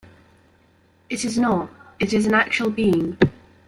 It is not, it is an actual being.